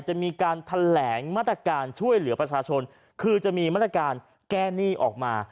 จะมีการแถลงมาตรการช่วยเหลือประชาชนคือจะมีมาตรการแก้หนี้ออกมา